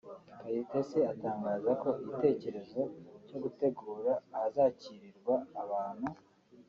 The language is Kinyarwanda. Kayitesi atangaza ko igitekerezo cyo gutegura ahazakirirwa abantu